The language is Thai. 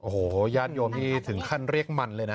โหยาชยงที่ถึงขั้นเรียกมันเลยนะ